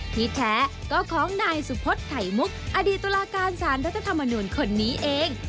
ที่แท้ก็ของนายสุพธิ์ไข่มุกอดีตตุลาการสารรัฐธรรมนูลคนนี้เอง